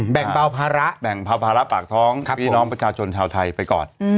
แบ่งเบาภาระแบ่งเบาภาระปากท้องพี่น้องประชาชนชาวไทยไปก่อน